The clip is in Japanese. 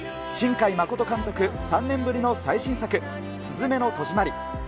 新海誠監督、３年ぶりの最新作、すずめの戸締まり。